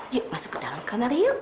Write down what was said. yuk masuk ke dalam kamar yuk